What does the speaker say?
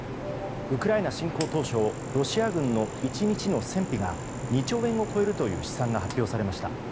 ウクライナ侵攻当初ロシア軍の１日の戦費が２兆円を超えるという試算が発表されました。